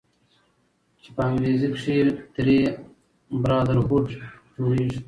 چې په انګريزۍ کښې ترې Brotherhood جوړيږي